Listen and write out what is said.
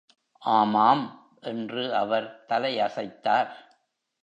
ஆமாம், என்று அவர் தலையசைத்தார்.